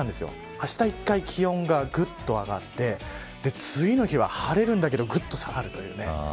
あした一回気温がぐんと上がって次の日は晴れるんだけどぐっと下がるというね。